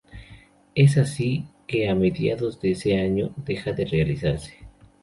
Es así que, a mediados de ese año, deja de realizarse.